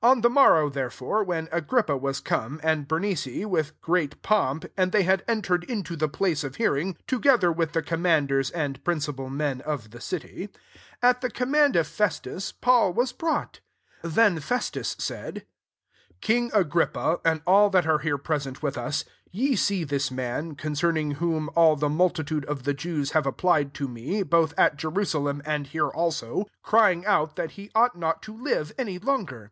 23 On the movrow therefore, rbeo Agrippa was come, and Sernic^, with great pomp,^nd bey had entered into the place of leaiingy together with the com Danders and principal men of ke city; at the command of I'estus, Paul was brought. 24 rhen Festus said, ^ King i^ippa» and all that are here uesent with us, ye see this aan, concerning whom all the nultitude of the Jews have ap >Iied to me, both at Jerusalem, uul here aUOf crying out that to ought not to live any longer.